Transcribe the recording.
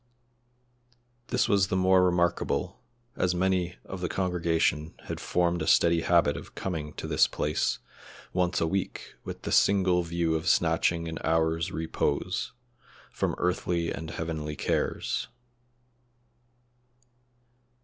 This was the more remarkable as many of the congregation had formed a steady habit of coming to this place once a week with the single view of snatching an hour's repose from earthly and heavenly cares.